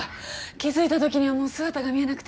気づいた時にはもう姿が見えなくて。